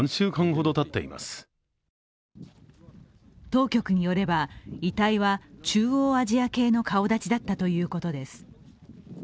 当局によれば、遺体は中央アジア系の顔だちだったということです。